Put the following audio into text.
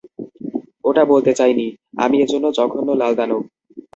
ওটা বলতে চাইনি, আমি একটা জঘন্য লাল দানব।